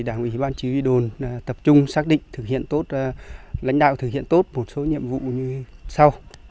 đảng ủy ban chí huy đồn tập trung xác định lãnh đạo thực hiện tốt một số nhiệm vụ như sau